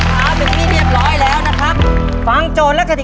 เกมเดินกระสอบส่งหนังสือ